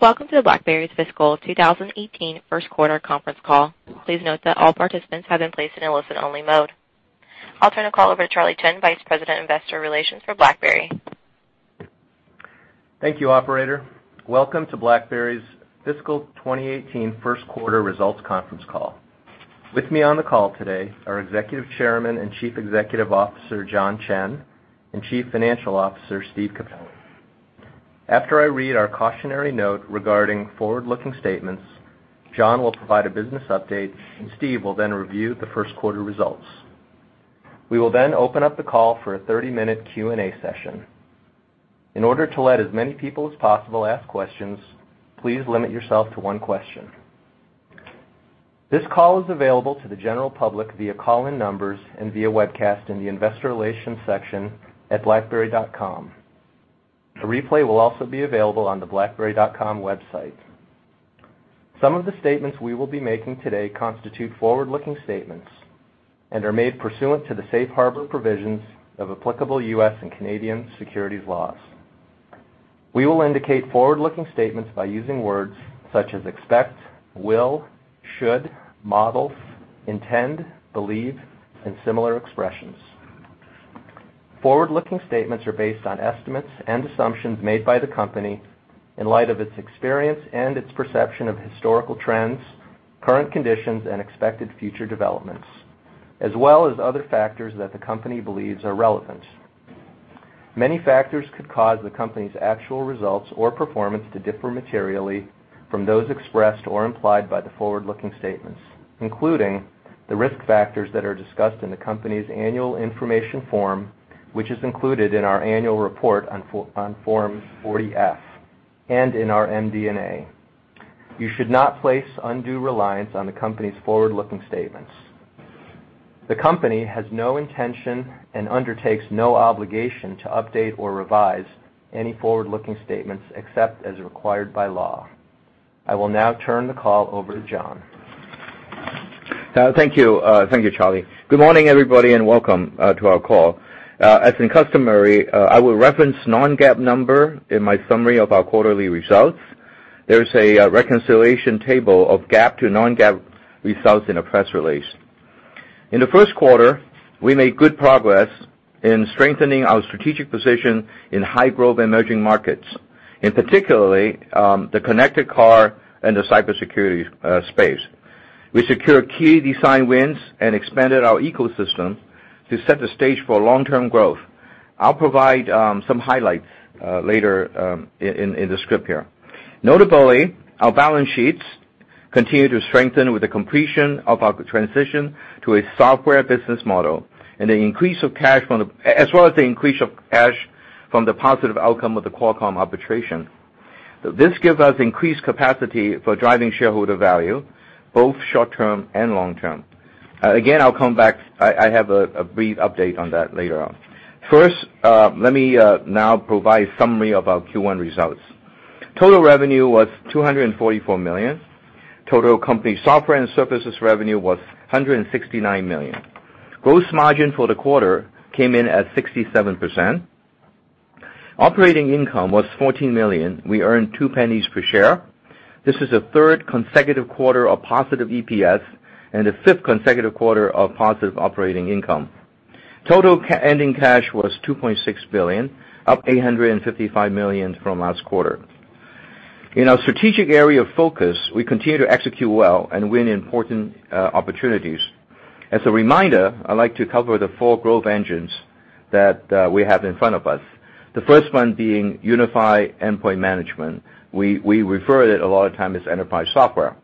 Welcome to BlackBerry's fiscal 2018 first quarter conference call. Please note that all participants have been placed in a listen only mode. I'll turn the call over to Alex Tai, Vice President, Investor Relations for BlackBerry. Thank you, operator. Welcome to BlackBerry's fiscal 2018 first quarter results conference call. With me on the call today are Executive Chairman and Chief Executive Officer, John Chen, and Chief Financial Officer, Steven Capelli. After I read our cautionary note regarding forward-looking statements, John will provide a business update, and Steven will then review the first quarter results. We will then open up the call for a 30-minute Q&A session. In order to let as many people as possible ask questions, please limit yourself to one question. This call is available to the general public via call-in numbers and via webcast in the investor relations section at blackberry.com. A replay will also be available on the blackberry.com website. Some of the statements we will be making today constitute forward-looking statements and are made pursuant to the safe harbor provisions of applicable U.S. and Canadian securities laws. We will indicate forward-looking statements by using words such as expect, will, should, models, intend, believe, and similar expressions. Forward-looking statements are based on estimates and assumptions made by the company in light of its experience and its perception of historical trends, current conditions, and expected future developments, as well as other factors that the company believes are relevant. Many factors could cause the company's actual results or performance to differ materially from those expressed or implied by the forward-looking statements, including the risk factors that are discussed in the company's annual information form, which is included in our annual report on Form 40-F and in our MD&A. You should not place undue reliance on the company's forward-looking statements. The company has no intention and undertakes no obligation to update or revise any forward-looking statements except as required by law. I will now turn the call over to John. Thank you, Alex. Good morning, everybody. Welcome to our call. As in customary, I will reference non-GAAP number in my summary of our quarterly results. There is a reconciliation table of GAAP to non-GAAP results in a press release. In the first quarter, we made good progress in strengthening our strategic position in high-growth emerging markets, and particularly, the connected car and the cybersecurity space. We secured key design wins and expanded our ecosystem to set the stage for long-term growth. I'll provide some highlights later in the script here. Notably, our balance sheets continue to strengthen with the completion of our transition to a software business model and as well as the increase of cash from the positive outcome of the Qualcomm arbitration. This gives us increased capacity for driving shareholder value, both short-term and long-term. Again, I'll come back. I have a brief update on that later on. Let me now provide a summary of our Q1 results. Total revenue was $244 million. Total company software and services revenue was $169 million. Gross margin for the quarter came in at 67%. Operating income was $14 million. We earned $0.02 per share. This is the third consecutive quarter of positive EPS and the fifth consecutive quarter of positive operating income. Total ending cash was $2.6 billion, up $855 million from last quarter. In our strategic area of focus, we continue to execute well and win important opportunities. As a reminder, I'd like to cover the four growth engines that we have in front of us. The first one being unified endpoint management. We refer to it a lot of time as enterprise software.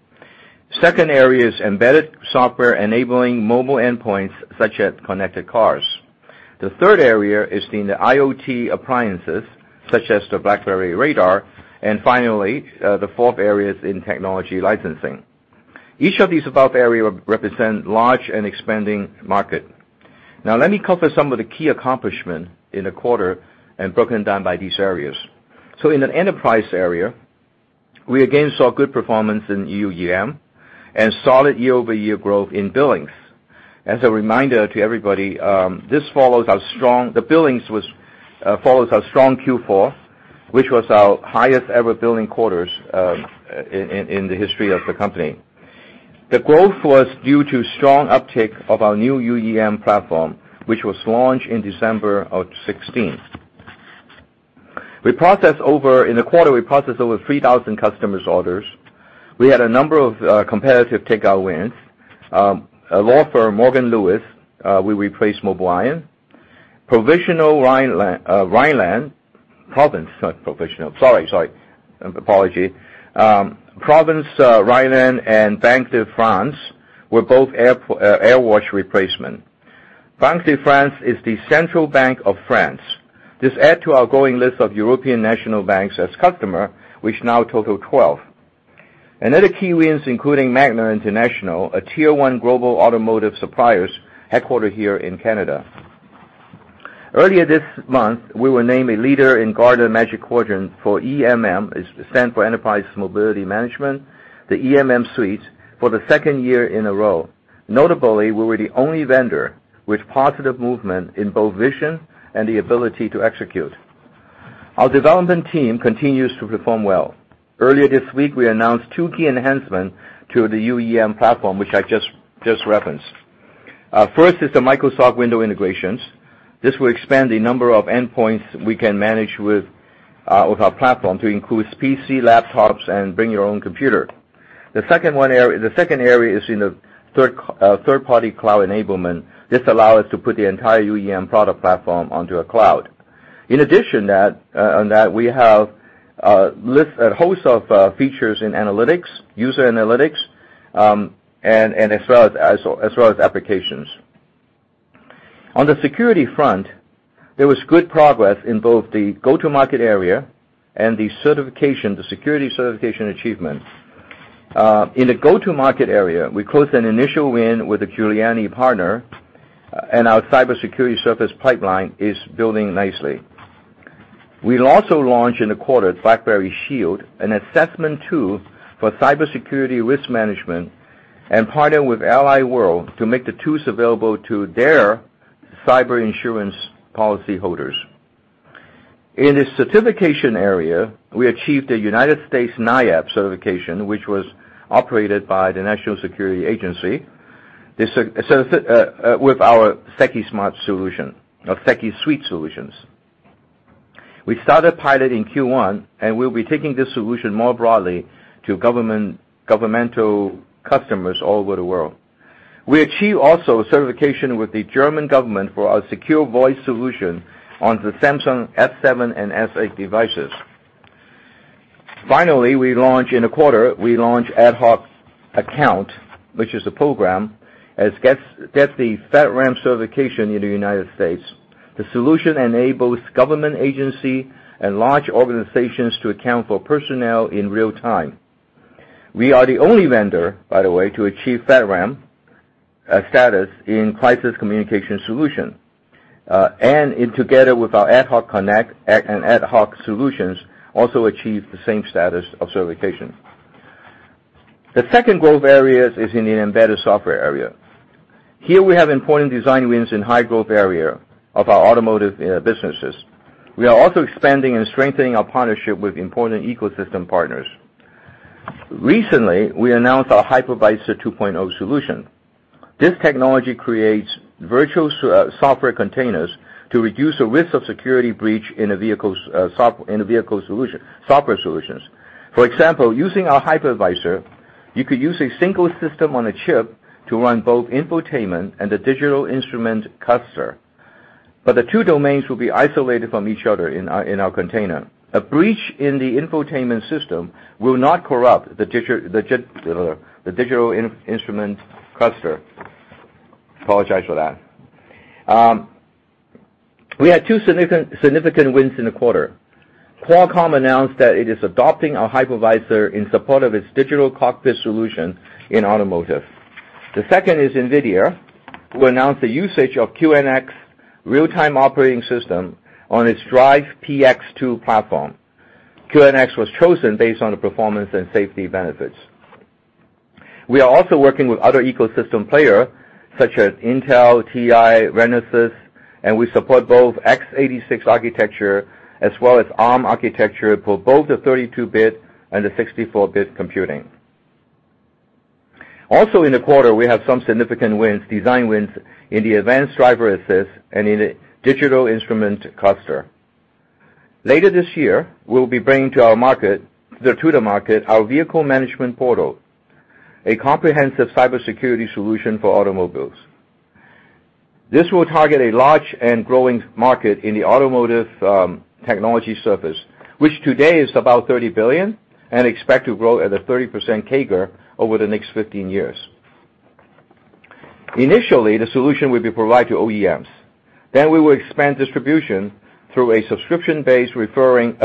Second area is embedded software enabling mobile endpoints such as connected cars. The third area is in the IoT appliances such as the BlackBerry Radar, and finally, the fourth area is in technology licensing. Each of these above area represent large and expanding market. Let me cover some of the key accomplishment in the quarter and broken down by these areas. In an enterprise area, we again saw good performance in UEM and solid year-over-year growth in billings. As a reminder to everybody, the billings follows our strong Q4, which was our highest ever billing quarters in the history of the company. The growth was due to strong uptick of our new UEM platform, which was launched in December of 2016. In the quarter, we processed over 3,000 customers orders. We had a number of competitive take-out wins. A law firm, Morgan Lewis, we replaced MobileIron. Province Rhineland and Banque de France were both AirWatch replacement. Banque de France is the central bank of France. This adds to our growing list of European national banks as customer, which now total 12. Other key wins including Magna International, a tier 1 global automotive suppliers headquartered here in Canada. Earlier this month, we were named a leader in Gartner Magic Quadrant for EMM, it stands for Enterprise Mobility Management, the EMM Suite for the second year in a row. Notably, we were the only vendor with positive movement in both vision and the ability to execute. Our development team continues to perform well. Earlier this week, we announced two key enhancements to the UEM platform, which I just referenced. First is the Microsoft Windows integrations. This will expand the number of endpoints we can manage with our platform to include PC, laptops, and bring your own computer. The second area is in the third-party cloud enablement. This allows us to put the entire UEM product platform onto a cloud. In addition on that, we have a host of features in user analytics, as well as applications. On the security front, there was good progress in both the go-to-market area and the security certification achievements. In the go-to-market area, we closed an initial win with a Giuliani Partners, and our cybersecurity service pipeline is building nicely. We also launched in the quarter BlackBerry Shield, an assessment tool for cybersecurity risk management, and partnered with Allied World to make the tools available to their cyber insurance policyholders. In the certification area, we achieved a United States NIAP certification, which was operated by the National Security Agency with our SecuSUITE solutions. We started pilot in Q1. We'll be taking this solution more broadly to governmental customers all over the world. We achieve also certification with the German government for our secure voice solution on the Samsung Galaxy S7 and Galaxy S8 devices. Finally, in a quarter, we launch AtHoc Account, which is a program, as gets the FedRAMP certification in the United States. The solution enables government agency and large organizations to account for personnel in real time. We are the only vendor, by the way, to achieve FedRAMP status in crisis communication solution. Together with our AtHoc Connect and AtHoc solutions, also achieve the same status of certification. The second growth area is in the embedded software area. Here we have important design wins in high-growth area of our automotive businesses. We are also expanding and strengthening our partnership with important ecosystem partners. Recently, we announced our QNX Hypervisor 2.0 solution. This technology creates virtual software containers to reduce the risk of security breach in a vehicle software solutions. For example, using our QNX Hypervisor, you could use a single system on a chip to run both infotainment and the digital instrument cluster, but the two domains will be isolated from each other in our container. A breach in the infotainment system will not corrupt the digital instrument cluster. Apologize for that. We had two significant wins in the quarter. Qualcomm announced that it is adopting our QNX Hypervisor in support of its digital cockpit solution in automotive. The second is NVIDIA, who announced the usage of QNX real-time operating system on its DRIVE PX 2 platform. QNX was chosen based on the performance and safety benefits. We are also working with other ecosystem players such as Intel, TI, Renesas, and we support both X86 architecture as well as ARM architecture for both the 32-bit and the 64-bit computing. Also in the quarter, we have some significant design wins in the advanced driver-assist and in the digital instrument cluster. Later this year, we'll be bringing to the market our vehicle management portal, a comprehensive cybersecurity solution for automobiles. This will target a large and growing market in the automotive technology service, which today is about $30 billion and expect to grow at a 30% CAGR over the next 15 years. Initially, the solution will be provided to OEMs. We will expand distribution through a subscription-based recurring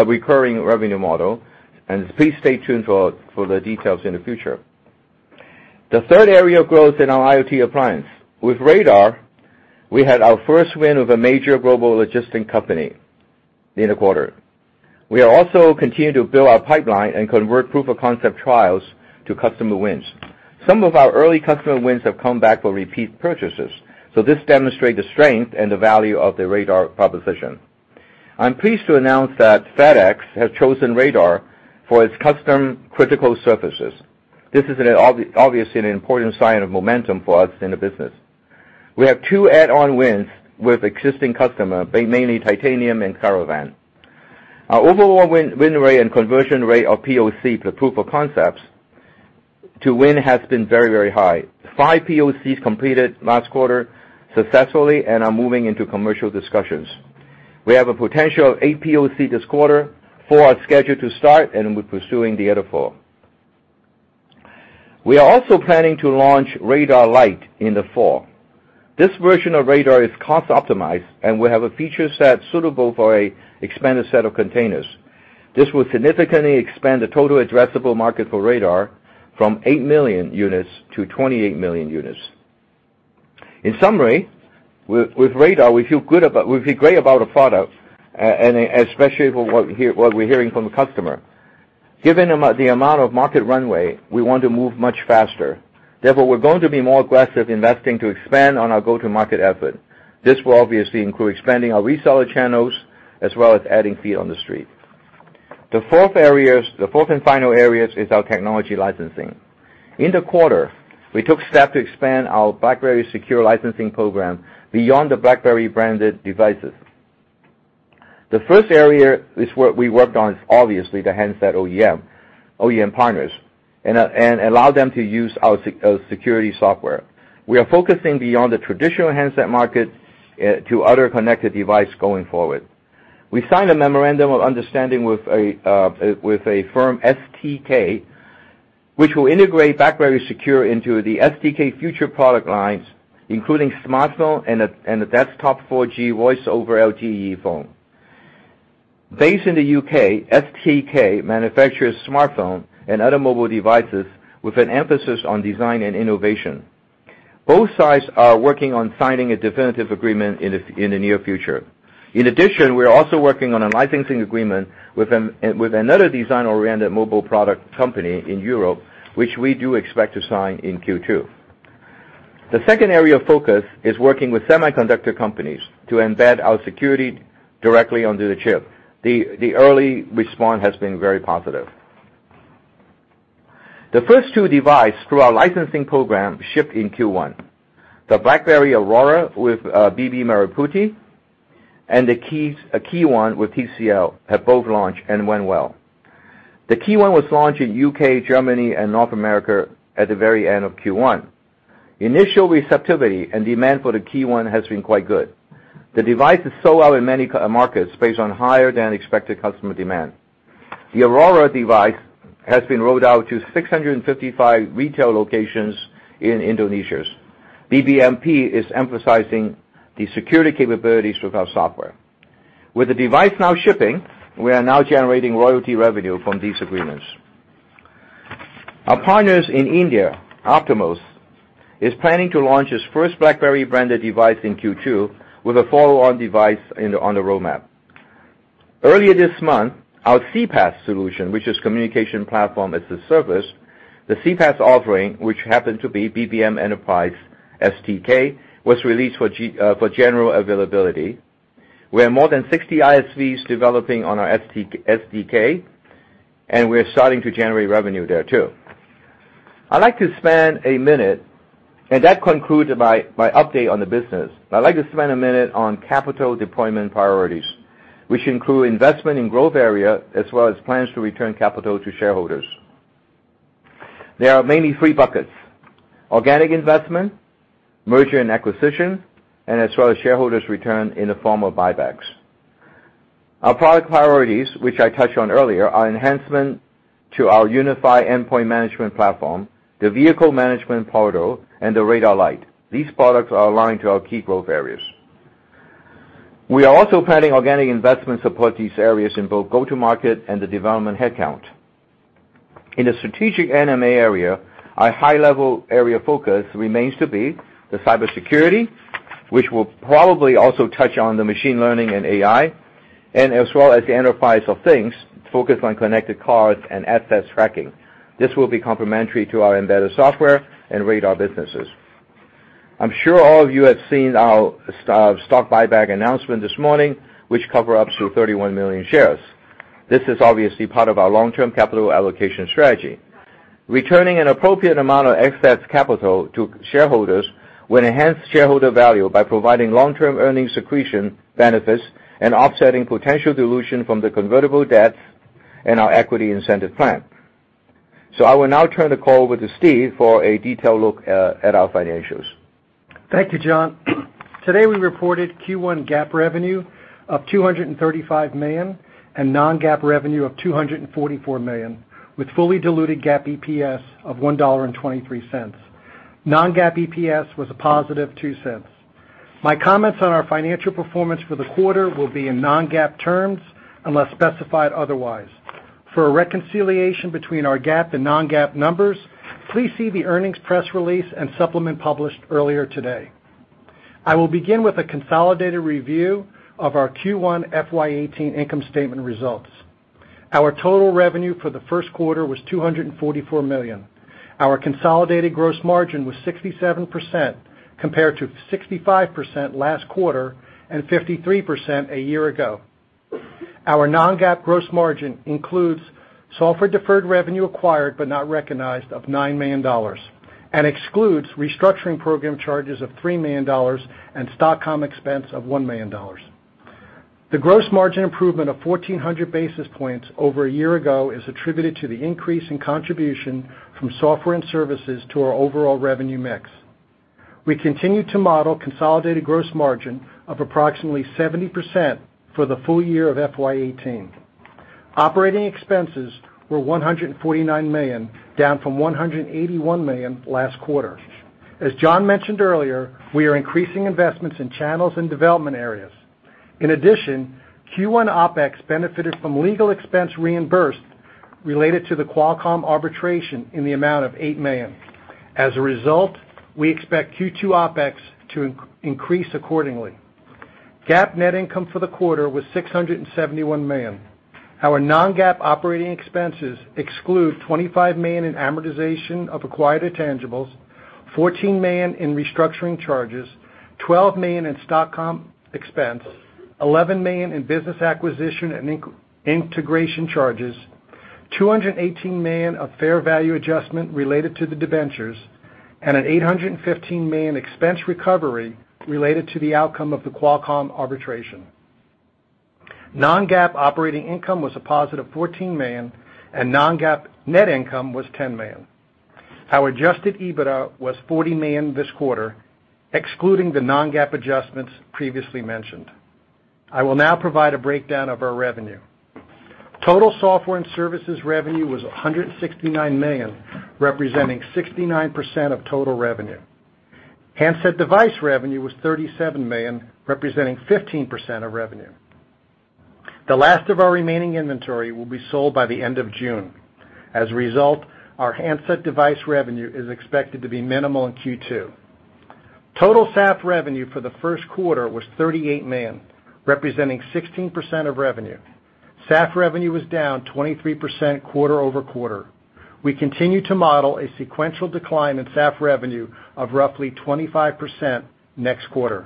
revenue model, and please stay tuned for the details in the future. The third area of growth in our IoT appliance. With BlackBerry Radar, we had our first win of a major global logistics company in the quarter. We are also continuing to build our pipeline and convert proof of concept trials to customer wins. Some of our early customer wins have come back for repeat purchases, so this demonstrate the strength and the value of the BlackBerry Radar proposition. I'm pleased to announce that FedEx has chosen BlackBerry Radar for its custom critical services. This is obviously an important sign of momentum for us in the business. We have two add-on wins with existing customer, mainly Titanium and Caravan. Our overall win rate and conversion rate of POC, the proof of concepts, to win has been very high. Five POCs completed last quarter successfully and are moving into commercial discussions. We have a potential eight POC this quarter, four are scheduled to start, and we're pursuing the other four. We are also planning to launch Radar Lite in the fall. This version of Radar is cost optimized and will have a feature set suitable for an expanded set of containers. This will significantly expand the total addressable market for Radar from 8 million units to 28 million units. In summary, with Radar, we feel great about the product, and especially what we're hearing from the customer. Given the amount of market runway, we want to move much faster. Therefore, we're going to be more aggressive investing to expand on our go-to-market effort. This will obviously include expanding our reseller channels, as well as adding feet on the street. The fourth and final area is our technology licensing. In the quarter, we took steps to expand our BlackBerry Secure licensing program beyond the BlackBerry branded devices. The first area is what we worked on, obviously, the handset OEM partners and allow them to use our security software. We are focusing beyond the traditional handset market to other connected devices going forward. We signed a memorandum of understanding with a firm, STK, which will integrate BlackBerry Secure into the STK future product lines, including smartphone and a desktop 4G voice-over LTE phone. Based in the U.K., STK manufactures smartphones and other mobile devices with an emphasis on design and innovation. Both sides are working on signing a definitive agreement in the near future. In addition, we are also working on a licensing agreement with another design-oriented mobile product company in Europe, which we do expect to sign in Q2. The second area of focus is working with semiconductor companies to embed our security directly onto the chip. The early response has been very positive. The first two devices through our licensing program shipped in Q1. The BlackBerry Aurora with BB Merah Putih, and the KEYone with TCL have both launched and went well. The KEYone was launched in the U.K., Germany, and North America at the very end of Q1. Initial receptivity and demand for the KEYone has been quite good. The device is sold out in many markets based on higher than expected customer demand. The Aurora device has been rolled out to 655 retail locations in Indonesia. BBMP is emphasizing the security capabilities with our software. With the device now shipping, we are now generating royalty revenue from these agreements. Our partners in India, Optiemus, is planning to launch its first BlackBerry branded device in Q2 with a follow-on device on the roadmap. Earlier this month, our CPaaS solution, which is Communications Platform as a Service, the CPaaS offering, which happened to be BBM Enterprise SDK, was released for general availability. We have more than 60 ISVs developing on our SDK, and we are starting to generate revenue there, too. That concludes my update on the business. I'd like to spend a minute on capital deployment priorities, which include investment in growth area, as well as plans to return capital to shareholders. There are mainly three buckets. Organic investment, merger and acquisition, as well as shareholders return in the form of buybacks. Our product priorities, which I touched on earlier, are enhancements to our unified endpoint management platform, the vehicle management portal, and the Radar Lite. These products are aligned to our key growth areas. We are also planning organic investment support these areas in both go-to-market and the development headcount. In the strategic M&A area, our high-level area of focus remains to be the cybersecurity, which will probably also touch on machine learning and AI, and as well as the enterprise of things focused on connected cars and asset tracking. This will be complementary to our embedded software and Radar businesses. I'm sure all of you have seen our stock buyback announcement this morning, which cover up to 31 million shares. This is obviously part of our long-term capital allocation strategy. Returning an appropriate amount of excess capital to shareholders will enhance shareholder value by providing long-term earnings accretion benefits and offsetting potential dilution from the convertible debt and our equity incentive plan. I will now turn the call over to Steve for a detailed look at our financials. Thank you, John. Today, we reported Q1 GAAP revenue of $235 million and non-GAAP revenue of $244 million, with fully diluted GAAP EPS of $1.23. Non-GAAP EPS was a positive $0.02. My comments on our financial performance for the quarter will be in non-GAAP terms, unless specified otherwise. For a reconciliation between our GAAP and non-GAAP numbers, please see the earnings press release and supplement published earlier today. I will begin with a consolidated review of our Q1 FY 2018 income statement results. Our total revenue for the first quarter was $244 million. Our consolidated gross margin was 67%, compared to 65% last quarter and 53% a year ago. Our non-GAAP gross margin includes software deferred revenue acquired but not recognized of $9 million and excludes restructuring program charges of $3 million and stock comp expense of $1 million. The gross margin improvement of 1,400 basis points over a year ago is attributed to the increase in contribution from software and services to our overall revenue mix. We continue to model consolidated gross margin of approximately 70% for the full year of FY 2018. Operating expenses were $149 million, down from $181 million last quarter. As John mentioned earlier, we are increasing investments in channels and development areas. In addition, Q1 OpEx benefited from legal expense reimbursed related to the Qualcomm arbitration in the amount of $8 million. As a result, we expect Q2 OpEx to increase accordingly. GAAP net income for the quarter was $671 million. Our non-GAAP operating expenses exclude $25 million in amortization of acquired intangibles, $14 million in restructuring charges, $12 million in stock comp expense, $11 million in business acquisition and integration charges, $218 million of fair value adjustment related to the debentures, and an $815 million expense recovery related to the outcome of the Qualcomm arbitration. Non-GAAP operating income was a positive $14 million, and non-GAAP net income was $10 million. Our adjusted EBITDA was $40 million this quarter, excluding the non-GAAP adjustments previously mentioned. I will now provide a breakdown of our revenue. Total software and services revenue was $169 million, representing 69% of total revenue. Handset device revenue was $37 million, representing 15% of revenue. The last of our remaining inventory will be sold by the end of June. As a result, our handset device revenue is expected to be minimal in Q2. Total SAF revenue for the first quarter was $38 million, representing 16% of revenue. SAF revenue was down 23% quarter-over-quarter. We continue to model a sequential decline in SAF revenue of roughly 25% next quarter.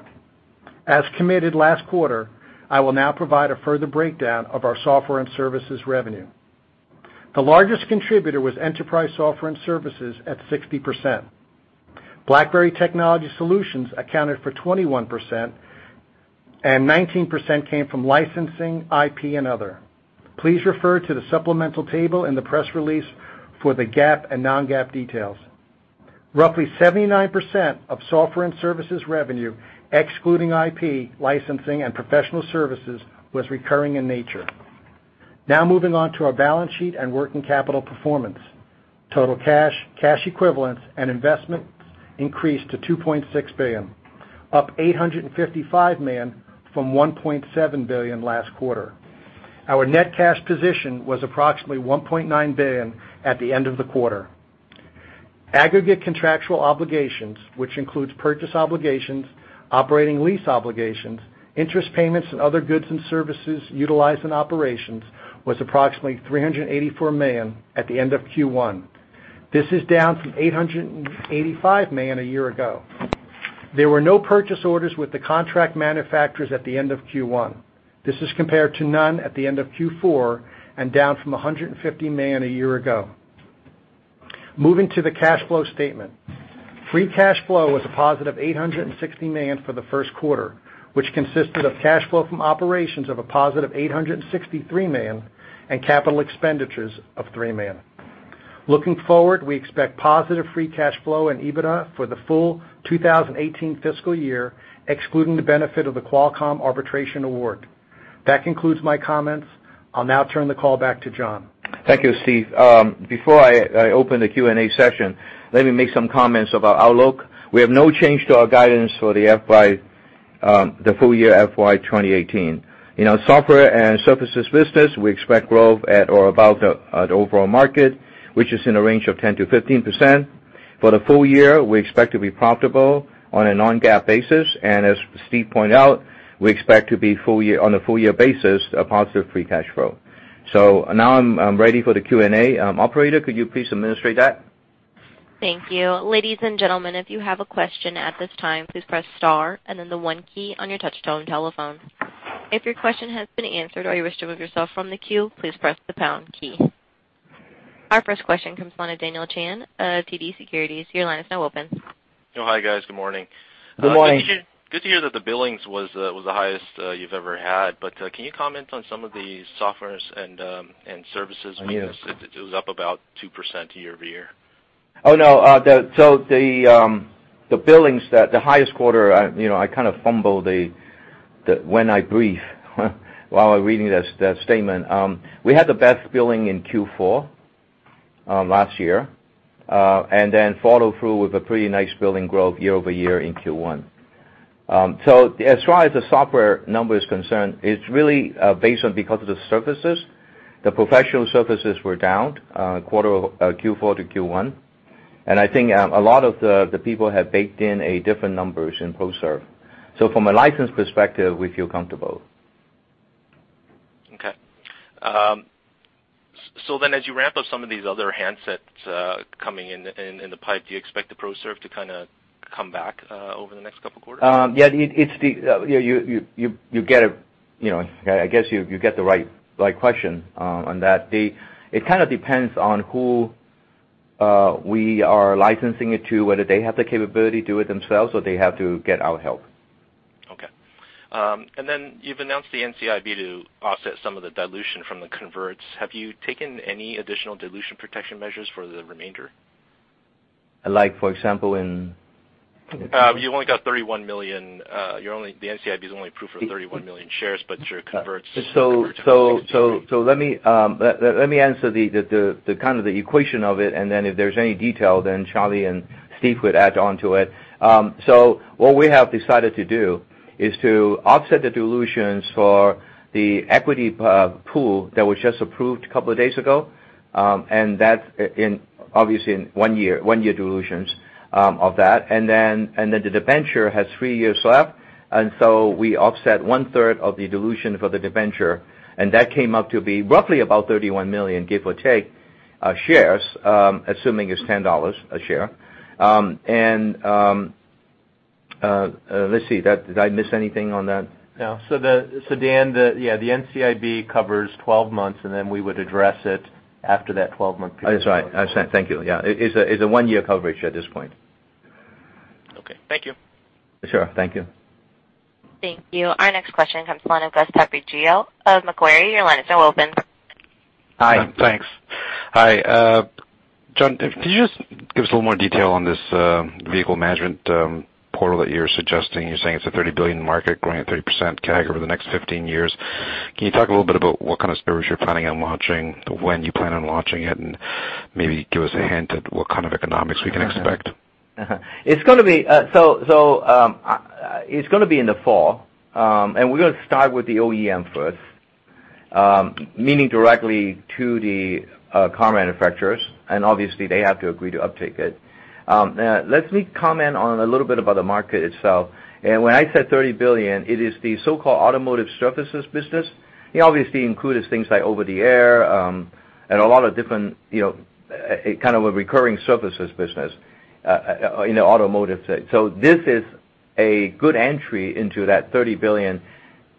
As committed last quarter, I will now provide a further breakdown of our software and services revenue. The largest contributor was enterprise software and services at 60%. BlackBerry Technology Solutions accounted for 21%, and 19% came from licensing, IP, and other. Please refer to the supplemental table in the press release for the GAAP and non-GAAP details. Roughly 79% of software and services revenue, excluding IP, licensing, and professional services, was recurring in nature. Moving on to our balance sheet and working capital performance. Total cash equivalents, and investments increased to $2.6 billion, up $855 million from $1.7 billion last quarter. Our net cash position was approximately $1.9 billion at the end of the quarter. Aggregate contractual obligations, which includes purchase obligations, operating lease obligations, interest payments, and other goods and services utilized in operations, was approximately $384 million at the end of Q1. This is down from $885 million a year ago. There were no purchase orders with the contract manufacturers at the end of Q1. This is compared to none at the end of Q4, and down from $150 million a year ago. Moving to the cash flow statement. Free cash flow was a positive $860 million for the first quarter, which consisted of cash flow from operations of a positive $863 million and capital expenditures of $3 million. Looking forward, we expect positive free cash flow and EBITDA for the full 2018 fiscal year, excluding the benefit of the Qualcomm arbitration award. That concludes my comments. I'll now turn the call back to John. Thank you, Steve. Before I open the Q&A session, let me make some comments about Outlook. We have no change to our guidance for the full-year FY 2018. In our software and services business, we expect growth at or above the overall market, which is in a range of 10%-15%. For the full year, we expect to be profitable on a non-GAAP basis. As Steve pointed out, we expect to be, on a full-year basis, a positive free cash flow. Now I'm ready for the Q&A. Operator, could you please administrate that? Thank you. Ladies and gentlemen, if you have a question at this time, please press star and then the one key on your touch-tone telephone. If your question has been answered or you wish to remove yourself from the queue, please press the pound key. Our first question comes from Daniel Chan of TD Securities. Your line is now open. Hi, guys. Good morning. Good morning. Good to hear that the billings was the highest you've ever had. Can you comment on some of the softwares and services business? Yes. It was up about 2% year-over-year. Oh, no. The billings, the highest quarter, I kind of fumbled when I briefed while reading that statement. We had the best billing in Q4 last year, then followed through with a pretty nice billing growth year-over-year in Q1. As far as the software number is concerned, it's really based on because of the services. The Professional Services were down Q4 to Q1, and I think a lot of the people have baked in different numbers in ProServ. From a license perspective, we feel comfortable. Okay. As you ramp up some of these other handsets coming in the pipe, do you expect the ProServ to kind of come back over the next couple of quarters? Yeah. I guess you get the right question on that. It kind of depends on who we are licensing it to, whether they have the capability to do it themselves, or they have to get our help. Okay. Then you've announced the NCIB to offset some of the dilution from the converts. Have you taken any additional dilution protection measures for the remainder? Like for example, in. You've only got $31 million. The NCIB is only approved for 31 million shares, but your converts. Let me answer the kind of the equation of it, and then if there's any detail, then Charlie and Steve could add onto it. What we have decided to do is to offset the dilutions for the equity pool that was just approved a couple of days ago That's obviously in one year, one-year dilutions of that. Then the debenture has three years left, and so we offset one-third of the dilution for the debenture, and that came up to be roughly about $31 million, give or take, shares, assuming it's $10 a share. Let's see. Did I miss anything on that? No. Dan, the NCIB covers 12 months. We would address it after that 12-month period. That's right. Thank you. Yeah. It's a one-year coverage at this point. Okay. Thank you. Sure. Thank you. Thank you. Our next question comes from the line of Gus Papageorgiou of Macquarie. Your line is now open. Hi. Thanks. Hi, John. Could you just give us a little more detail on this BlackBerry Radar Portal that you're suggesting? You're saying it's a $30 billion market growing at 30% CAGR over the next 15 years. Can you talk a little bit about what kind of service you're planning on launching, when you plan on launching it, and maybe give us a hint at what kind of economics we can expect? It's going to be in the fall. We're going to start with the OEM first, meaning directly to the car manufacturers, and obviously, they have to agree to uptake it. Let me comment on a little bit about the market itself. When I said $30 billion, it is the so-called automotive services business. It obviously includes things like over-the-air, and a lot of different, kind of a recurring services business in the automotive sector. This is a good entry into that $30 billion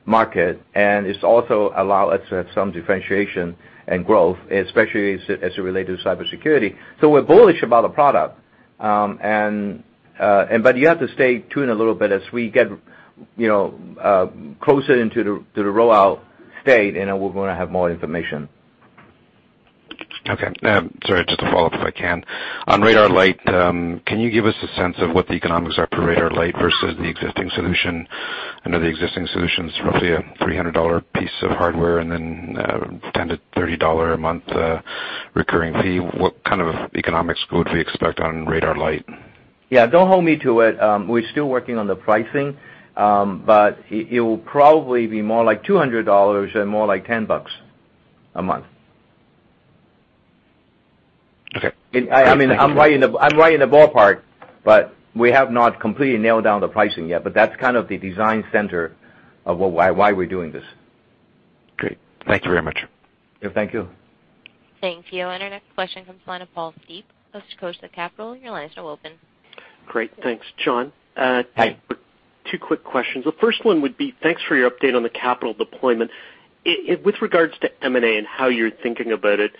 market, and it also allow us some differentiation and growth, especially as it relate to cybersecurity. We're bullish about the product. You have to stay tuned a little bit as we get closer into the rollout state, and we're going to have more information. Okay. Sorry, just a follow-up if I can. On Radar Light, can you give us a sense of what the economics are for Radar Light versus the existing solution? I know the existing solution is roughly a $300 piece of hardware and then $10 to $30 a month recurring fee. What kind of economics would we expect on Radar Light? Yeah. Don't hold me to it. We're still working on the pricing. It will probably be more like $200 and more like $10 a month. Okay. I'm right in the ballpark. We have not completely nailed down the pricing yet. That's kind of the design center of why we're doing this. Great. Thank you very much. Yeah, thank you. Thank you. Our next question comes from the line of Paul Cee of Corsa Capital. Your line is now open. Great. Thanks, John. Hi. Two quick questions. The first one would be, thanks for your update on the capital deployment. With regards to M&A and how you're thinking about it,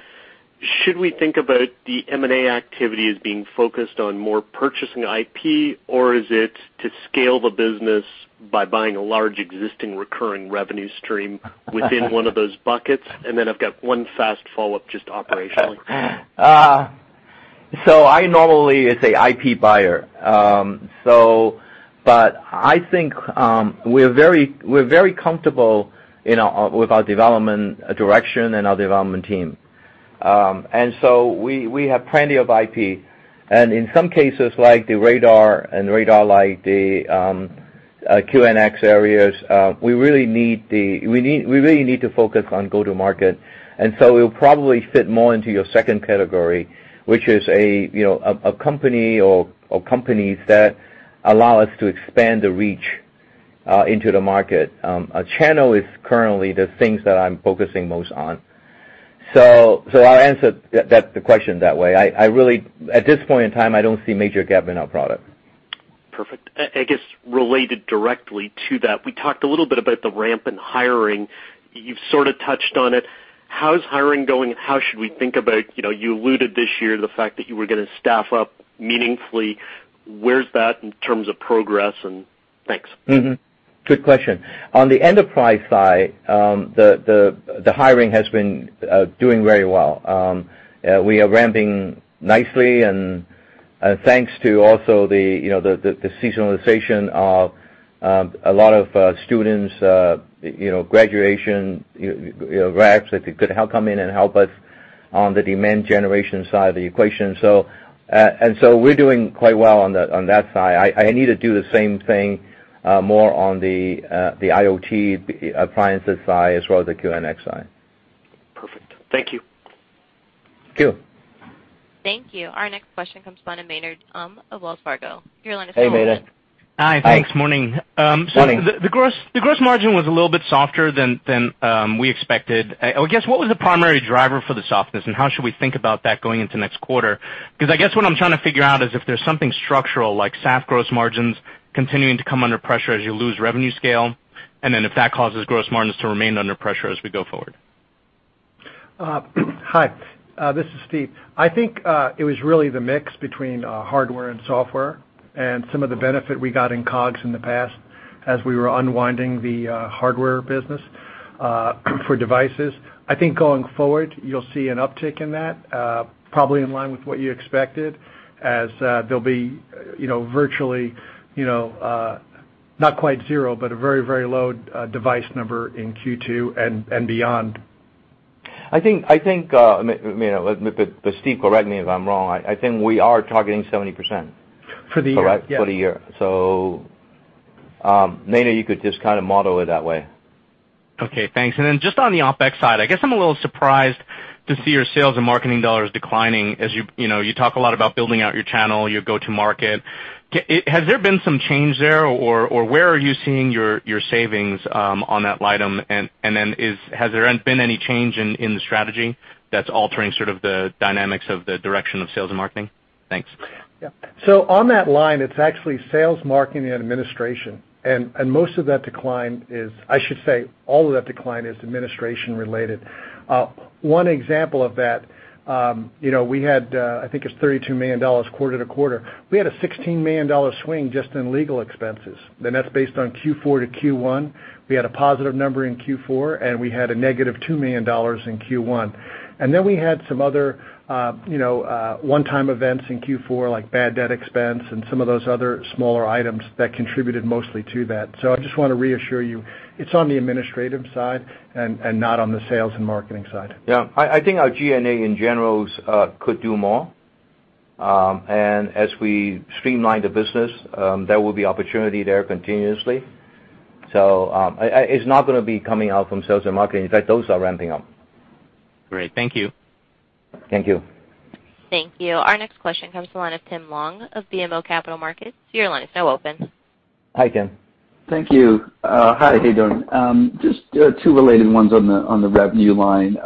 should we think about the M&A activity as being focused on more purchasing IP, or is it to scale the business by buying a large existing recurring revenue stream within one of those buckets? Then I've got one fast follow-up, just operationally. I normally is a IP buyer. I think we're very comfortable with our development direction and our development team. We have plenty of IP. In some cases, like the Radar and Radar-L, the QNX areas, we really need to focus on go-to-market. We'll probably fit more into your second category, which is a company or companies that allow us to expand the reach into the market. Channel is currently the things that I'm focusing most on. I'll answer the question that way. At this point in time, I don't see a major gap in our product. Perfect. I guess related directly to that, we talked a little bit about the ramp in hiring. You've sort of touched on it. How is hiring going? How should we think about, you alluded this year to the fact that you were going to staff up meaningfully. Where's that in terms of progress? Thanks. Good question. On the enterprise side, the hiring has been doing very well. We are ramping nicely and thanks to also the seasonalization of a lot of students, graduation, grads that could come in and help us on the demand generation side of the equation. We're doing quite well on that side. I need to do the same thing more on the IoT appliances side as well as the QNX side. Perfect. Thank you. Thank you. Thank you. Our next question comes from the line of Maynard Um of Wells Fargo. Your line is now open. Hey, Maynard. Hi, thanks. Morning. Morning. The gross margin was a little bit softer than we expected. I guess what was the primary driver for the softness, and how should we think about that going into next quarter? I guess what I'm trying to figure out is if there's something structural like SAF gross margins continuing to come under pressure as you lose revenue scale, and then if that causes gross margins to remain under pressure as we go forward. Hi. This is Steve. I think it was really the mix between hardware and software and some of the benefit we got in COGS in the past as we were unwinding the hardware business for devices. I think going forward, you will see an uptick in that, probably in line with what you expected as there will be virtually not quite zero, but a very, very low device number in Q2 and beyond. I think, Maynard. Steve, correct me if I am wrong. I think we are targeting 70%. For the year, yeah. For the year. Maynard, you could just kind of model it that way. Okay, thanks. Just on the OpEx side, I guess I'm a little surprised to see your sales and marketing dollars declining as you know, talk a lot about building out your channel, your go-to market. Has there been some change there, or where are you seeing your savings on that line item? Has there been any change in the strategy that's altering sort of the dynamics of the direction of sales and marketing? Thanks. Yeah. On that line, it's actually sales, marketing, and administration. Most of that decline is, I should say, all of that decline is administration related. One example of that, we had I think it's $32 million quarter-to-quarter. We had a $16 million swing just in legal expenses, and that's based on Q4 to Q1. We had a positive number in Q4, and we had a negative $2 million in Q1. We had some other one-time events in Q4, like bad debt expense and some of those other smaller items that contributed mostly to that. I just want to reassure you, it's on the administrative side and not on the sales and marketing side. Yeah. I think our G&A, in general, could do more. As we streamline the business, there will be opportunity there continuously. It's not going to be coming out from sales and marketing. In fact, those are ramping up. Great. Thank you. Thank you. Thank you. Our next question comes to the line of Tim Long of BMO Capital Markets. Your line is now open. Hi, Tim. Thank you. Hi, how you doing? Just two related ones on the revenue line.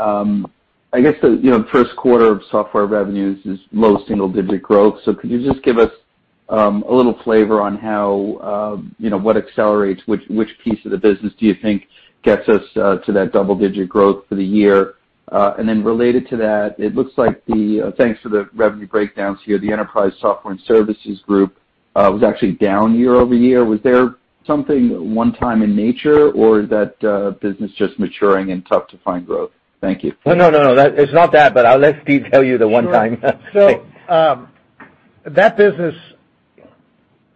I guess the first quarter of software revenues is low single-digit growth. Could you just give us a little flavor on what accelerates, which piece of the business do you think gets us to that double-digit growth for the year? Related to that, it looks like the thanks to the revenue breakdowns here, the enterprise software and services group was actually down year-over-year. Was there something one time in nature, or is that business just maturing and tough to find growth? Thank you. No, it's not that, but I'll let Steve tell you the one time. Sure. That business,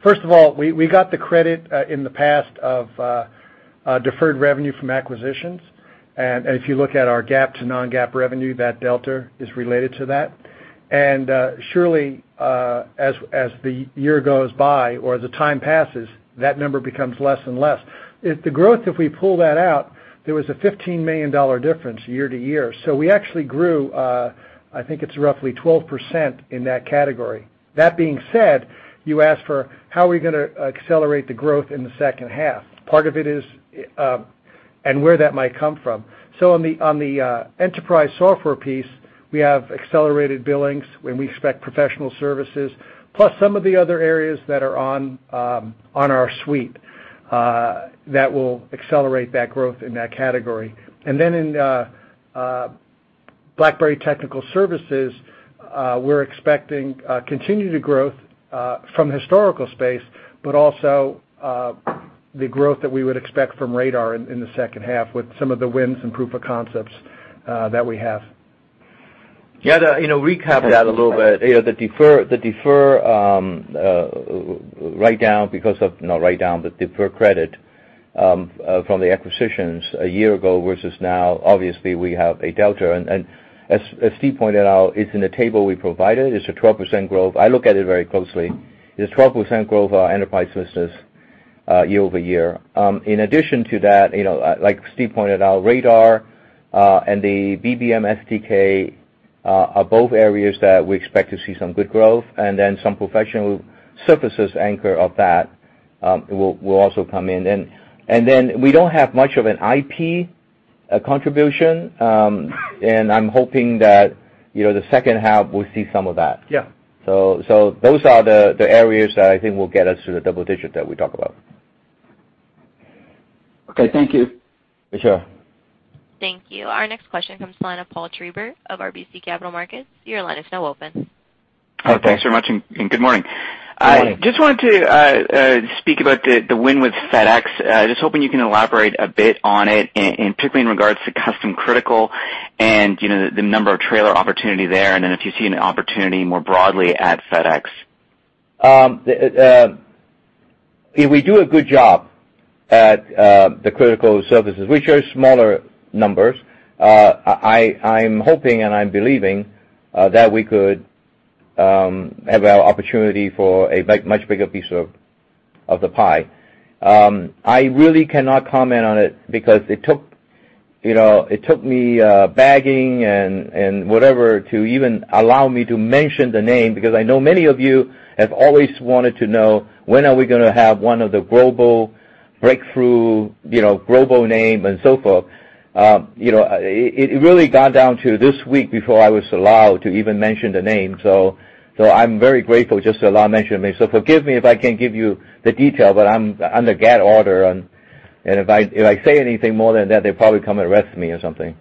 first of all, we got the credit in the past of deferred revenue from acquisitions. If you look at our GAAP to non-GAAP revenue, that delta is related to that. Surely, as the year goes by or as the time passes, that number becomes less and less. The growth, if we pull that out, there was a $15 million difference year-to-year. We actually grew, I think it's roughly 12% in that category. That being said, you asked for how are we going to accelerate the growth in the second half. Part of it is and where that might come from. On the enterprise software piece, we have accelerated billings when we expect professional services, plus some of the other areas that are on our suite that will accelerate that growth in that category. In BlackBerry Technology Solutions, we're expecting continued growth from historical space, but also the growth that we would expect from Radar in the second half with some of the wins and proof of concepts that we have. To recap that a little bit, the defer write-down because of, not write-down, but defer credit from the acquisitions a year ago versus now, obviously, we have a delta. As Steve pointed out, it's in the table we provided. It's a 12% growth. I look at it very closely. It's 12% growth enterprise business year-over-year. In addition to that, like Steve pointed out, Radar and the BBM SDK are both areas that we expect to see some good growth. Some professional services anchor of that will also come in then. We don't have much of an IP contribution, and I'm hoping that the second half we'll see some of that. Yeah. Those are the areas that I think will get us to the double digit that we talk about. Okay, thank you. Sure. Thank you. Our next question comes to the line of Paul Treiber of RBC Capital Markets. Your line is now open. Oh, thanks very much, and good morning. Good morning. Just wanted to speak about the win with FedEx. Just hoping you can elaborate a bit on it, and particularly in regards to custom critical and the number of trailer opportunity there, then if you see an opportunity more broadly at FedEx. If we do a good job at the critical services, which are smaller numbers, I'm hoping and I'm believing that we could have our opportunity for a much bigger piece of the pie. I really cannot comment on it because it took me begging and whatever to even allow me to mention the name because I know many of you have always wanted to know, when are we going to have one of the global breakthrough, global name and so forth. It really got down to this week before I was allowed to even mention the name. I'm very grateful just to allow mention the name. Forgive me if I can't give you the detail, but I'm under gag order, and if I say anything more than that, they'll probably come and arrest me or something.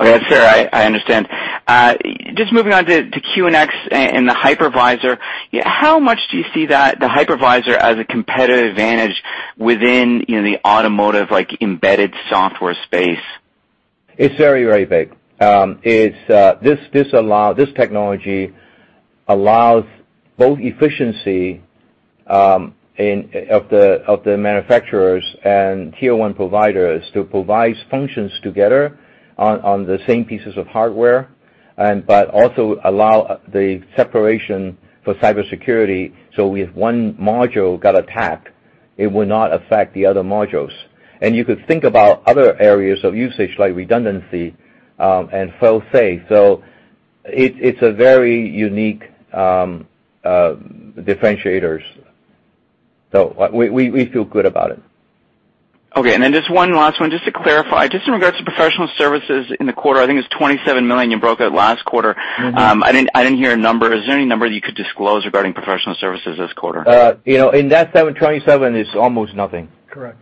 Okay. Sure. I understand. Just moving on to QNX and the Hypervisor. How much do you see that the Hypervisor as a competitive advantage within the automotive embedded software space? It's very, very big. This technology allows both efficiency of the manufacturers and tier 1 providers to provide functions together on the same pieces of hardware. Also allow the separation for cybersecurity, so if one module got attacked, it would not affect the other modules. You could think about other areas of usage, like redundancy and fail-safe. It's a very unique differentiator. We feel good about it. Okay. Just one last one, just to clarify, just in regards to professional services in the quarter, I think it's $27 million you broke out last quarter. I didn't hear a number. Is there any number that you could disclose regarding professional services this quarter? In that $27, it's almost nothing. Correct.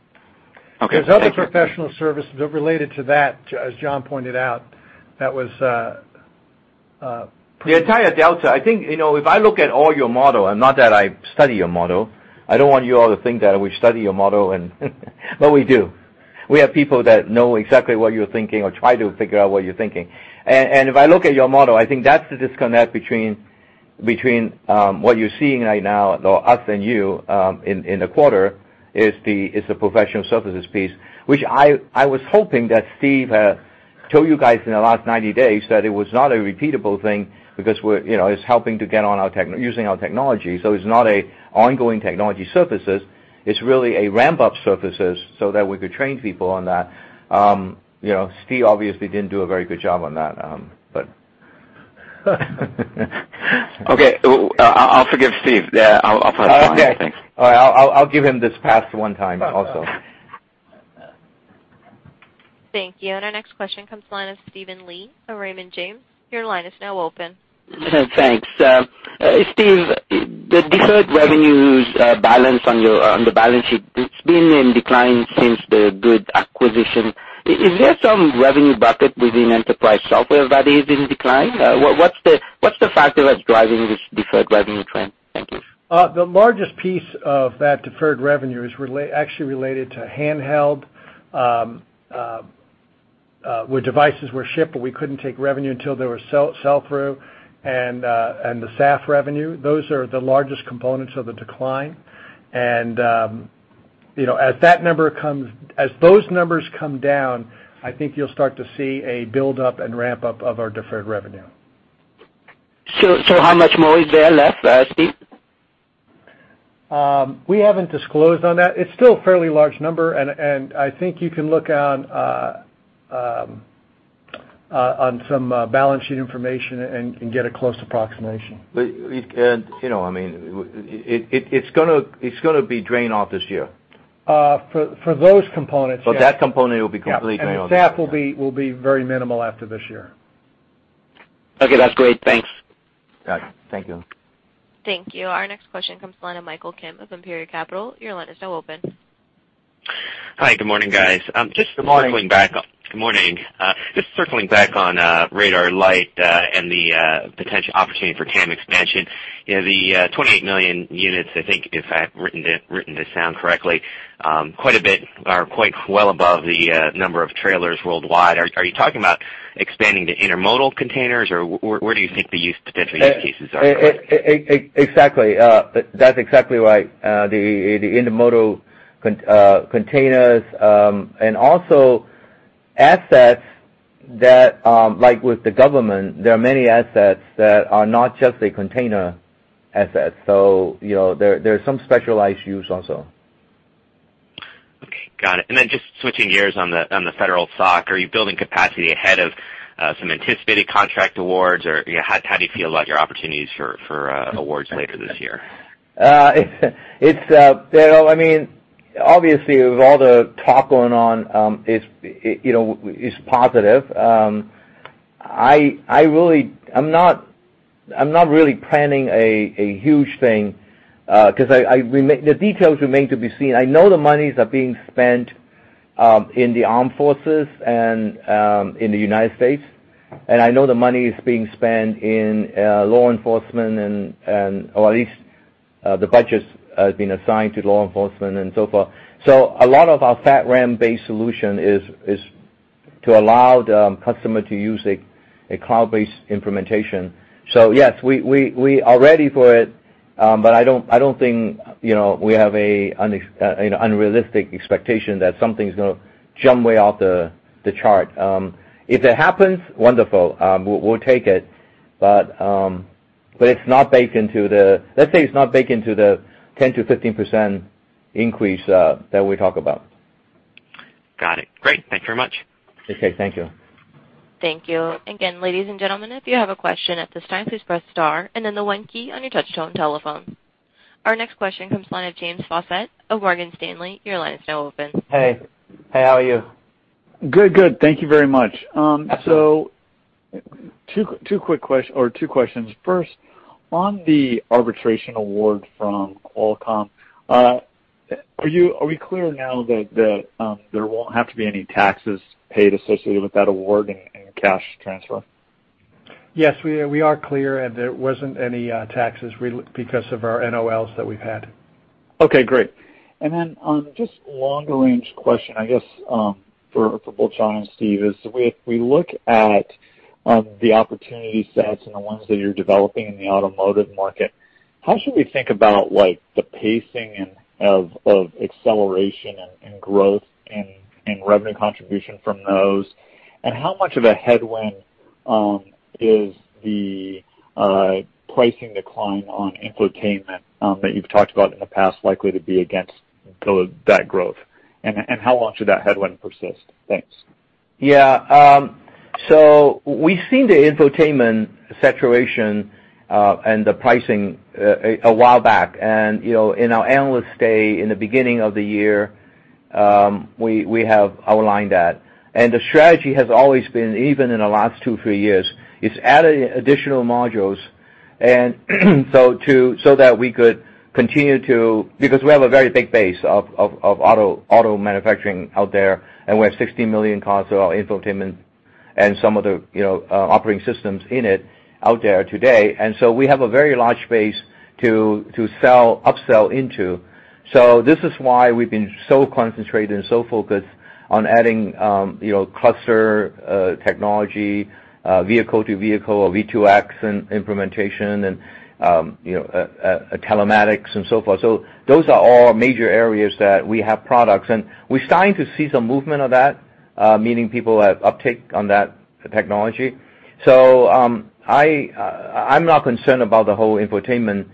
Okay. Thank you. There's other professional services related to that, as John pointed out. The entire delta, I think, if I look at all your model, not that I study your model. I don't want you all to think that we study your model, we do. We have people that know exactly what you're thinking or try to figure out what you're thinking. If I look at your model, I think that's the disconnect between what you're seeing right now, though us and you, in the quarter, is the professional services piece. Which I was hoping that Steve told you guys in the last 90 days that it was not a repeatable thing, because it's helping to get on using our technology. It's not an ongoing technology services. It's really a ramp-up services so that we could train people on that. Steve obviously didn't do a very good job on that. Okay. I'll forgive Steve. I'll press one, I think. Okay. I'll give him this pass one time also. Thank you. Our next question comes the line of Steven Li of Raymond James. Your line is now open. Thanks. Steve, the deferred revenues balance on the balance sheet, it's been in decline since the Good acquisition. Is there some revenue bucket within enterprise software that is in decline? What's the factor that's driving this deferred revenue trend? Thank you. The largest piece of that deferred revenue is actually related to handheld, where devices were shipped, but we couldn't take revenue until they were sell-through, and the SaaS revenue. Those are the largest components of the decline. As those numbers come down, I think you'll start to see a build-up and ramp-up of our deferred revenue. How much more is there left, Steve? We haven't disclosed on that. It's still a fairly large number, and I think you can look on some balance sheet information and get a close approximation. It's going to be drained off this year. For those components, yes. For that component, it will be completely gone. The SAF will be very minimal after this year. Okay. That's great. Thanks. Got it. Thank you. Thank you. Our next question comes the line of Michael Kim of Imperial Capital. Your line is now open. Hi, good morning, guys. Good morning. Good morning. Just circling back on Radar-L and the potential opportunity for TAM expansion. The 28 million units, I think, if I've written this down correctly, quite a bit are quite well above the number of trailers worldwide. Are you talking about expanding to intermodal containers, or where do you think the potential use cases are for it? Exactly. That's exactly right. The intermodal containers, and also assets that, like with the government, there are many assets that are not just a container asset. There are some specialized use also. Okay. Got it. Just switching gears on the federal SOC, are you building capacity ahead of some anticipated contract awards, or how do you feel about your opportunities for awards later this year? Obviously, with all the talk going on, it's positive. I'm not really planning a huge thing, because the details remain to be seen. I know the monies are being spent in the armed forces and in the U.S., and I know the money is being spent in law enforcement, or at least the budget has been assigned to law enforcement and so forth. A lot of our FedRAMP-based solution is to allow the customer to use a cloud-based implementation. Yes, we are ready for it, but I don't think we have an unrealistic expectation that something's going to jump way off the chart. If it happens, wonderful. We'll take it. Let's say it's not baked into the 10%-15% increase that we talk about. Got it. Great. Thank you very much. Okay, thank you. Thank you. Again, ladies and gentlemen, if you have a question at this time, please press star and then the one key on your touch tone telephone. Our next question comes line of James Faucette of Morgan Stanley. Your line is now open. Hey. Hey, how are you? Good, thank you very much. Absolutely. 2 questions. First, on the arbitration award from Qualcomm, are we clear now that there won't have to be any taxes paid associated with that award and cash transfer? Yes, we are clear, there wasn't any taxes because of our NOLs that we've had. Okay, great. Then on just longer range question, I guess, for both John and Steve is, if we look at the opportunity sets and the ones that you're developing in the automotive market, how should we think about the pacing of acceleration and growth and revenue contribution from those? How much of a headwind is the pricing decline on infotainment that you've talked about in the past likely to be against that growth? How long should that headwind persist? Thanks. Yeah. We've seen the infotainment saturation and the pricing a while back. In our Analyst Day in the beginning of the year, we have outlined that. The strategy has always been, even in the last 2, 3 years, is adding additional modules, that we could continue to because we have a very big base of auto manufacturing out there, and we have 16 million cars with our infotainment and some of the operating systems in it out there today. We have a very large base to upsell into. This is why we've been so concentrated and so focused on adding cluster technology, vehicle-to-vehicle or V2X implementation, and telematics and so forth. Those are all major areas that we have products. We're starting to see some movement of that, meaning people have uptake on that technology. I'm not concerned about the whole infotainment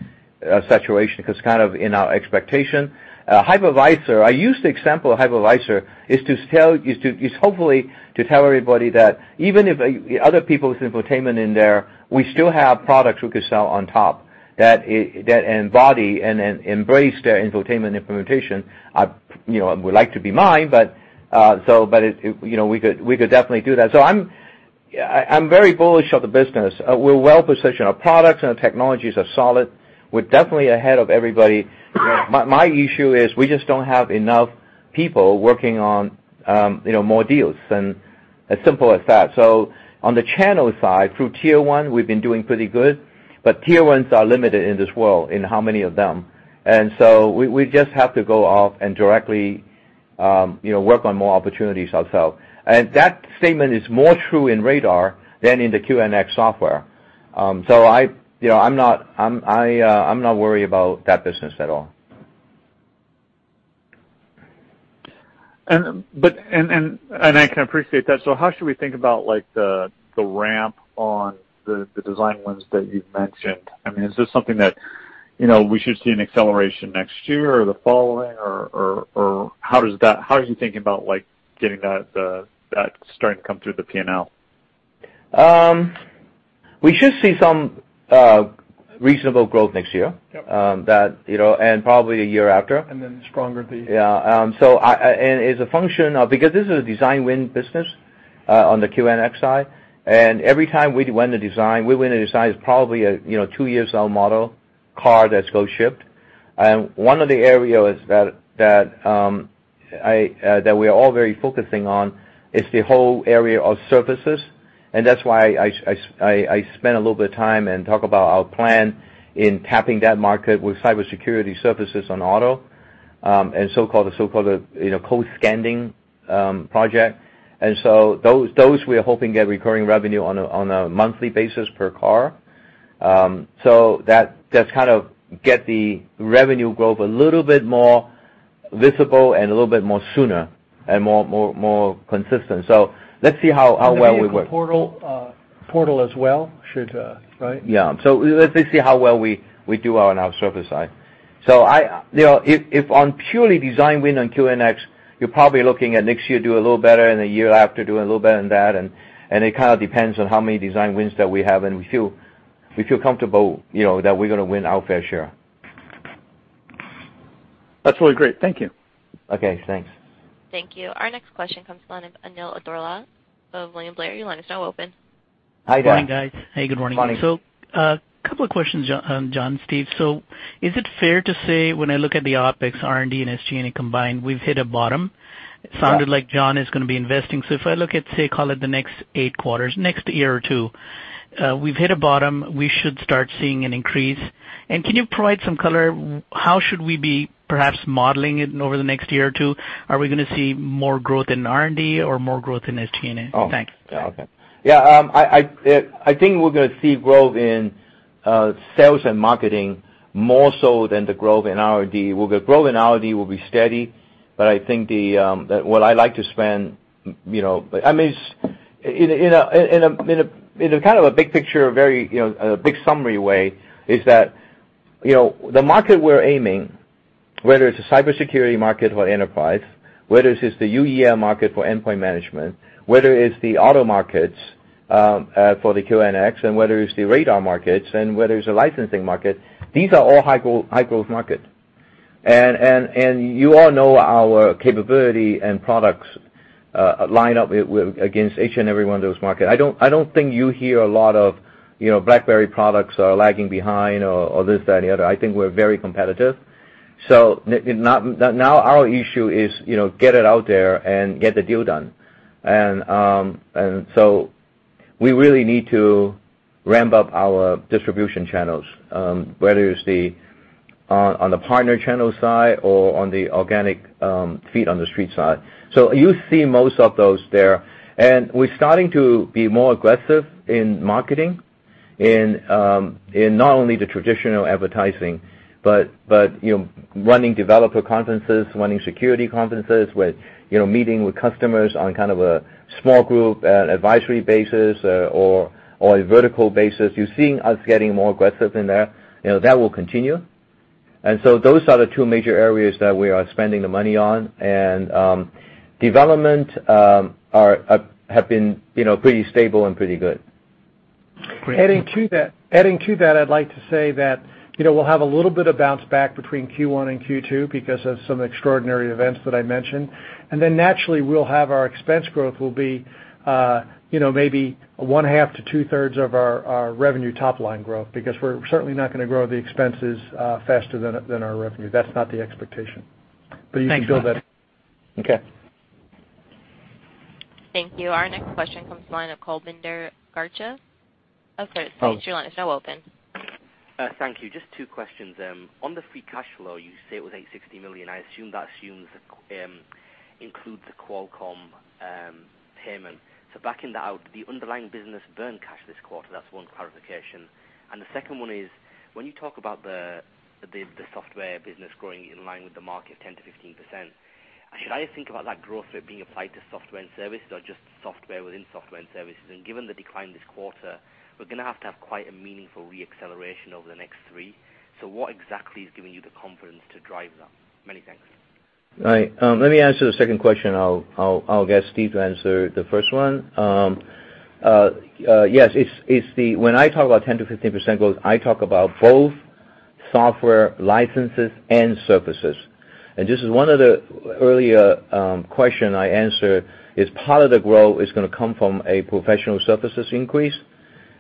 saturation, because kind of in our expectation. Hypervisor, I use the example of Hypervisor, is hopefully to tell everybody that even if other people's infotainment in there, we still have products we could sell on top that embody and embrace their infotainment implementation. Would like to be mine, but we could definitely do that. I'm very bullish of the business. We're well-positioned. Our products and our technologies are solid. We're definitely ahead of everybody. My issue is we just don't have enough people working on more deals, as simple as that. On the channel side, through tier 1, we've been doing pretty good, but tier 1s are limited in this world, in how many of them. We just have to go off and directly work on more opportunities ourselves. That statement is more true in Radar than in the QNX software. I'm not worried about that business at all. I can appreciate that. How should we think about the ramp on the design wins that you've mentioned? Is this something that we should see an acceleration next year or the following? Or how are you thinking about getting that starting to come through the P&L? We should see some reasonable growth next year. Yep. probably a year after. stronger. Yeah. As a function of, because this is a design win business on the QNX side, and every time we win a design is probably a two-years-old model car that goes shipped. One of the areas that we're all very focusing on is the whole area of services, and that's why I spent a little bit of time and talk about our plan in tapping that market with cybersecurity services on auto, and so-called code scanning project. Those, we are hoping to get recurring revenue on a monthly basis per car. That just kind of get the revenue growth a little bit more visible and a little bit more sooner and more consistent. Let's see how well we work. The vehicle portal as well should, right? Let's see how well we do on our service side. If on purely design win on QNX, you're probably looking at next year do a little better and the year after doing a little better than that. It kind of depends on how many design wins that we have, and we feel comfortable that we're going to win our fair share. That's really great. Thank you. Okay, thanks. Thank you. Our next question comes from Anil Daka of William Blair. Your line is now open. Hi, Anil. Good morning, guys. Hey, good morning. Morning. Couple of questions, John, Steve. Is it fair to say, when I look at the OpEx, R&D, and SG&A combined, we've hit a bottom? Yeah. It sounded like John is going to be investing. If I look at, say, call it the next 8 quarters, next year or two, we've hit a bottom, we should start seeing an increase. Can you provide some color, how should we be perhaps modeling it over the next year or two? Are we going to see more growth in R&D or more growth in SG&A? Thanks. Okay. Yeah. I think we're going to see growth in sales and marketing more so than the growth in R&D, where the growth in R&D will be steady. I think that what I like to spend, in a kind of a big picture, very big summary way, is that the market we're aiming, whether it's a cybersecurity market for enterprise, whether it's the UEM market for endpoint management, whether it's the auto markets for the QNX, whether it's the Radar markets, whether it's the licensing market, these are all high-growth market. You all know our capability and products line up against each and every one of those market. I don't think you hear a lot of BlackBerry products are lagging behind or this, that, and the other. I think we're very competitive. Now our issue is get it out there and get the deal done. We really need to ramp up our distribution channels, whether it's on the partner channel side or on the organic feet on the street side. You see most of those there. We're starting to be more aggressive in marketing In not only the traditional advertising, but running developer conferences, running security conferences, meeting with customers on a small group advisory basis or a vertical basis. You're seeing us getting more aggressive in there. That will continue. Those are the two major areas that we are spending the money on, and development have been pretty stable and pretty good. Adding to that, I'd like to say that we'll have a little bit of bounce back between Q1 and Q2 because of some extraordinary events that I mentioned. Naturally, our expense growth will be maybe one half to two-thirds of our revenue top-line growth, because we're certainly not going to grow the expenses faster than our revenue. That's not the expectation. You can build that. Okay. Thank you. Our next question comes from the line of Kulbinder Garcha. Your line is now open. Thank you. Just two questions. On the free cash flow, you say it was $860 million. I assume that includes the Qualcomm payment. Backing that out, the underlying business burned cash this quarter. That's one clarification. The second one is, when you talk about the software business growing in line with the market 10%-15%, should I think about that growth rate being applied to software and services or just software within software and services? Given the decline this quarter, we're going to have to have quite a meaningful re-acceleration over the next three. What exactly is giving you the confidence to drive that? Many thanks. Right. Let me answer the second question. I'll get Steven to answer the first one. Yes, when I talk about 10%-15% growth, I talk about both software licenses and services. Just as one of the earlier question I answered, is part of the growth is going to come from a professional services increase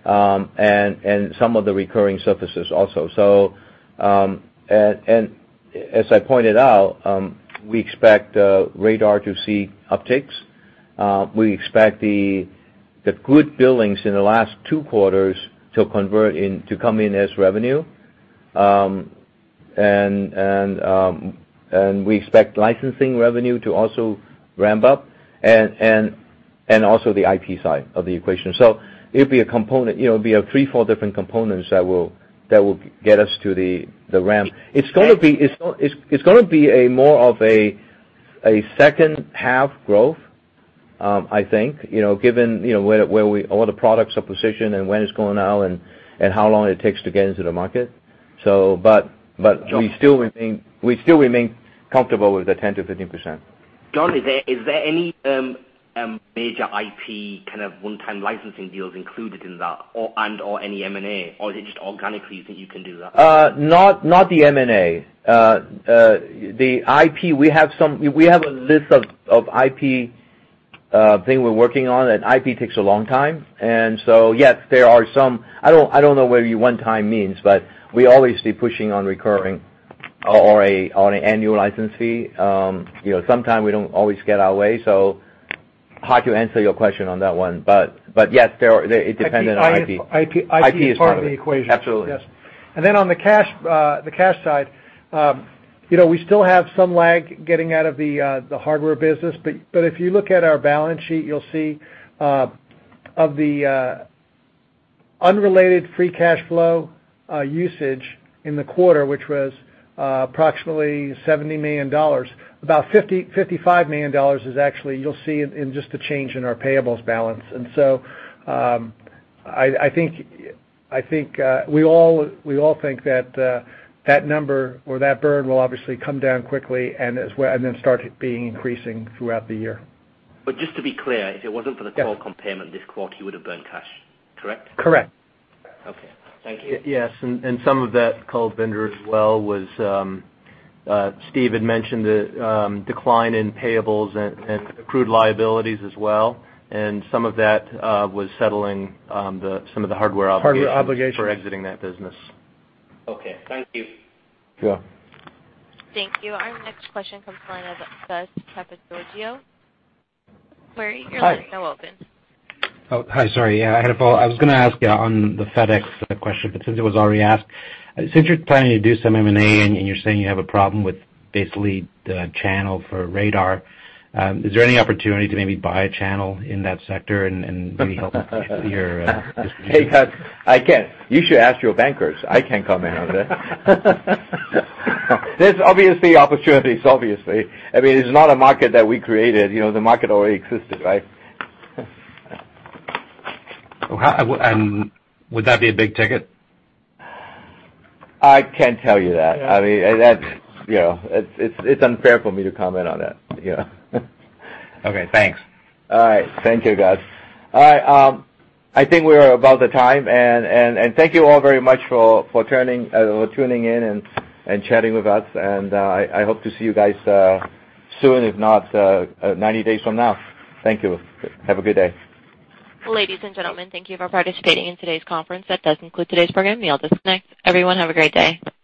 and some of the recurring services also. As I pointed out, we expect BlackBerry Radar to see upticks. We expect the good billings in the last two quarters to come in as revenue. We expect licensing revenue to also ramp up, and also the IP side of the equation. It'll be three, four different components that will get us to the ramp. It's going to be a more of a second half growth, I think, given where all the products are positioned and when it's going out and how long it takes to get into the market. We still remain comfortable with the 10%-15%. John, is there any major IP one-time licensing deals included in that or, and, or any M&A, or is it just organically that you can do that? Not the M&A. The IP, we have a list of IP thing we're working on, IP takes a long time. Yes, there are some. I don't know whether one time means, but we always be pushing on recurring or on an annual license fee. Sometimes we don't always get our way, so hard to answer your question on that one. Yes, it depended on IP. IP is part of the equation. Absolutely. Yes. On the cash side, we still have some lag getting out of the hardware business. If you look at our balance sheet, you'll see of the unrelated free cash flow usage in the quarter, which was approximately $70 million, about $55 million is actually, you'll see in just a change in our payables balance. We all think that that number or that burn will obviously come down quickly and then start being increasing throughout the year. Just to be clear, if it wasn't for the Qualcomm payment this quarter, you would have burned cash, correct? Correct. Okay. Thank you. Yes, some of that, Kulbinder, as well was, Steve had mentioned the decline in payables and accrued liabilities as well. Some of that was settling some of the hardware obligations- Hardware obligations for exiting that business. Okay. Thank you. Sure. Thank you. Our next question comes from the line of Gus Papageorgiou. Macquarie, your line is now open. Hi. Sorry. I had a follow. I was going to ask you on the FedEx question, but since it was already asked. Since you're planning to do some M&A and you're saying you have a problem with basically the channel for Radar, is there any opportunity to maybe buy a channel in that sector and maybe help your distribution? Hey, Gus, I can't. You should ask your bankers. I can't comment on that. There's obviously opportunities, obviously. It's not a market that we created. The market already existed, right? Would that be a big ticket? I can't tell you that. Yeah. It's unfair for me to comment on that. Yeah. Okay, thanks. All right. Thank you, Gus. All right. I think we are about the time. Thank you all very much for tuning in and chatting with us. I hope to see you guys soon, if not 90 days from now. Thank you. Have a good day. Ladies and gentlemen, thank you for participating in today's conference. That does conclude today's program. You may disconnect. Everyone, have a great day.